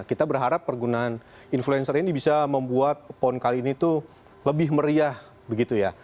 kita berharap pergunaan influencer ini bisa membuat pon kali ini tuh lebih meriah begitu ya